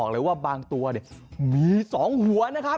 และเราห่าวยังไงนะ